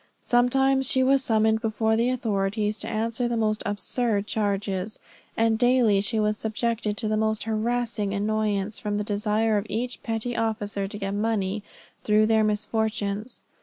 Sometimes she was summoned before the authorities to answer the most absurd charges, and daily she was subjected to the most harassing annoyance, from the desire of each petty officer to get money through their misfortunes.